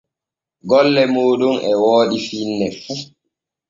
Golle mooɗon e wooɗi finne fu.